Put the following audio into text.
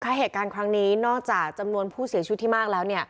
เหตุการณ์ครั้งนี้นอกจากจำนวนผู้เสียชีวิตที่มากแล้ว